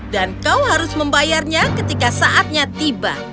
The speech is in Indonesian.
dan kau harus membayarnya ketika saatnya tiba